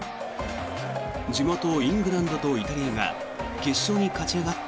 地元イングランドとイタリアが決勝に勝ち上がった